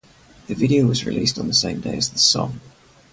The video was released on the same day as the song.